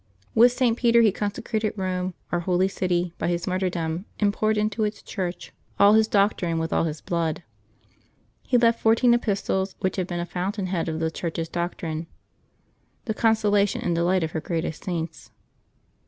With St. Peter he consecrated Pome, our holy city, by his martyrdom, and poured into its Church all his doctrine with all his blood. He left fourteen Epistles, which have been a fountain head of the Church's doctrine, the consolation and delight of her greatest Saints.